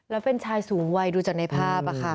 แล้วเป็นชายสูงวัยดูจากในภาพ